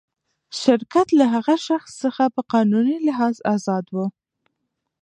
شرکت له هغه شخص څخه په قانوني لحاظ آزاد و.